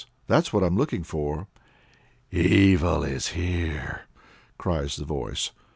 "That's what I'm looking for." "Evil is here," cries the voice.